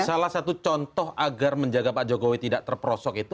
salah satu contoh agar menjaga pak jokowi tidak terperosok itu